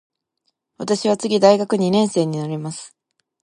私は次大学二年生になります。